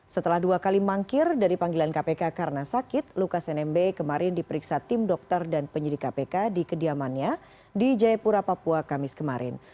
setelah dua kali mangkir dari panggilan kpk karena sakit lukas nmb kemarin diperiksa tim dokter dan penyidik kpk di kediamannya di jayapura papua kamis kemarin